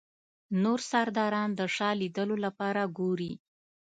نور سرداران د شاه لیدلو لپاره ګوري.